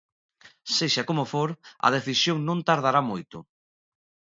Sexa como for, a decisión non tardará moito.